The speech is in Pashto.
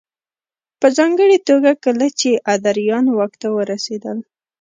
په ځانګړې توګه کله چې ادریان واک ته ورسېدل